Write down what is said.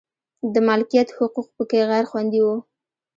د مالکیت حقوق په کې غیر خوندي و.